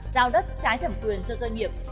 giao đất trái thẩm quyền cho doanh nghiệp